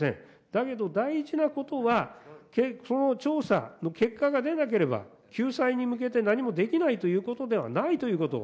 だけど大事なことは、その調査の結果が出なければ、救済に向けて何もできないということではないということ。